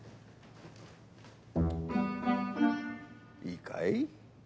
いいかい？